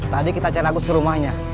tadi kita cari agus ke rumahnya